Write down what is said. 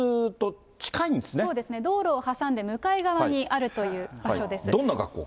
道路を挟んで向かい側にあるという場所です。